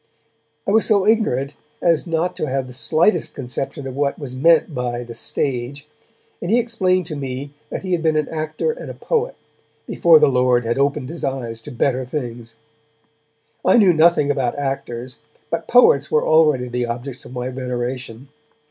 I was so ignorant as not to have the slightest conception of what was meant by the stage, and he explained to me that he had been an actor and a poet, before the Lord had opened his eyes to better things. I knew nothing about actors, but poets were already the objects of my veneration.